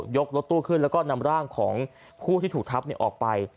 รถตู้ขึ้นแล้วก็นำร่างของผู้ที่ถูกทับออกไป